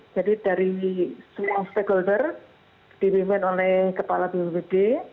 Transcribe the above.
jadi dari semua stakeholder diwimpin oleh kepala bnpb